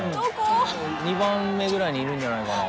２番目ぐらいにいるんじゃないかな。